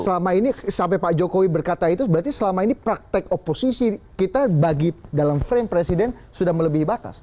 selama ini sampai pak jokowi berkata itu berarti selama ini praktek oposisi kita bagi dalam frame presiden sudah melebihi batas